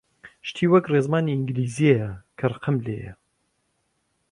شتی وەک ڕێزمانی ئینگلیزییە کە ڕقم لێیە!